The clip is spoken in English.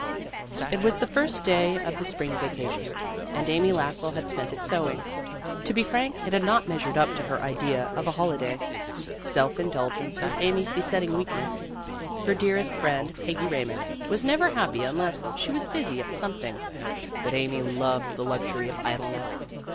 IT was the first day of the spring vacation, and Amy Lassell had spent it sewing. To be frank, it had not measured up to her idea of a holiday. Self indulgence was Amy's besetting weakness. Her dearest friend, Peggy Ray mond, was never happy unless she was busy at something, but Amy loved the luxury of idle ness.